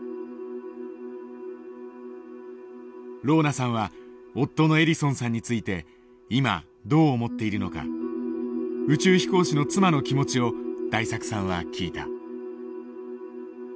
ローナさんは夫のエリソンさんについて今どう思っているのか宇宙飛行士の妻の気持ちを大作さんは聞いた。